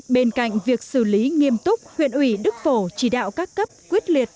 bên cạnh việc xử lý nghiêm túc huyện ủy đức phổ chỉ đạo các cấp quyết liệt